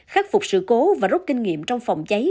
khắc phục sự cố và rút kinh nghiệm trong phòng cháy